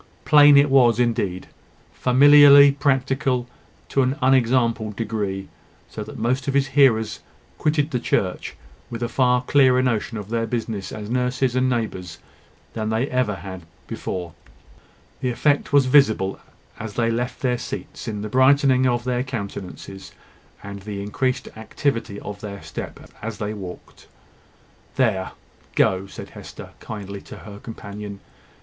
Plain it was indeed, familiarly practical to an unexampled degree; so that most of his hearers quitted the church with a far clearer notion of their business as nurses and neighbours than they had ever before had. The effect was visible as they left their seats, in the brightening of their countenances, and the increased activity of their step as they walked. "There, go," said Hester, kindly, to her companion.